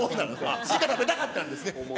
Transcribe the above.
スイカ、食べたかったんですね。